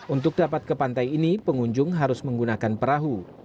untuk dapat ke pantai ini pengunjung harus menggunakan perahu